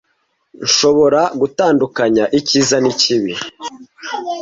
Nshobora gutandukanya icyiza n'ikibi.